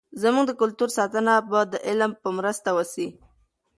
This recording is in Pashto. زموږ د کلتور ساتنه به د علم په مرسته وسي.